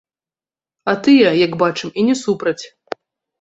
А тыя, як бачым, і не супраць.